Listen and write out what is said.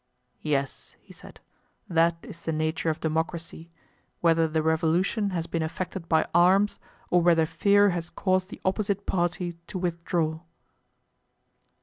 Yes, he said, that is the nature of democracy, whether the revolution has been effected by arms, or whether fear has caused the opposite party to withdraw.